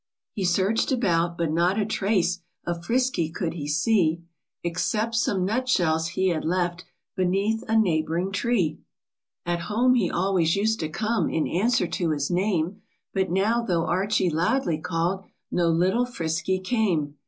He search'd about, but not a trace Of Frisky could he see ; Except some nut shells he had left Beneath a neighb'ring tree. At home, he always used to come In answer to his name ; But now, though Archie loudly call'd, No little Frisky came.